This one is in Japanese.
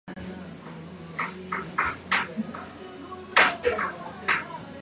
謂わば、坐って火鉢に両手をかざしながら、自然に死んでいるような、